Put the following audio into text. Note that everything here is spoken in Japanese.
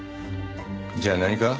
じゃあ何か？